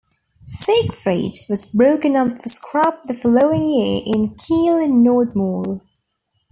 "Siegfried" was broken up for scrap the following year in Kiel-Nordmole.